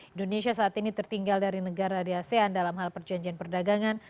indonesia saat ini tertinggal dari negara di asean dalam hal perjanjian perdagangan